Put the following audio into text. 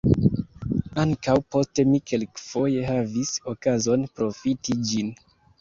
Ankaŭ poste mi kelkfoje havis okazon profiti ĝin.